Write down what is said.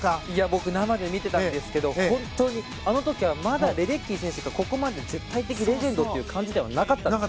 僕、生で見てたんですけど本当に、あの時はまだレデッキー選手がここまで絶対的レジェンドという感じではなかったんです。